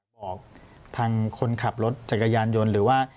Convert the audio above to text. บอกทางคนขับรถจักรยานยนต์หรือว่า